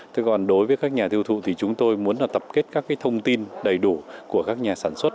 thế còn đối với các nhà tiêu thụ thì chúng tôi muốn là tập kết các cái thông tin đầy đủ của các nhà sản xuất